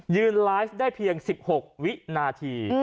ไลฟ์ได้เพียง๑๖วินาที